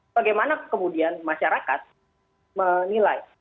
bagaimana kemudian masyarakat menilai